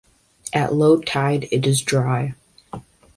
At low tide it is dry.